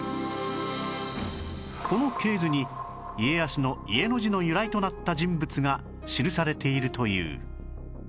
この系図に家康の「家」の字の由来となった人物が記されているという